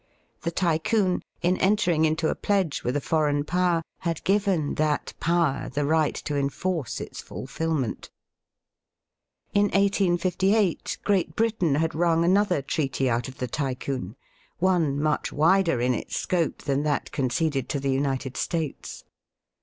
The Tycoon, in entering into a pledge with a foreign Power, had given that Power the right to enforce its fulfilment. In 1858 Great Britain had wrung another treaty out of the Tycoon — one much wider in its scope than that conceded to the United States.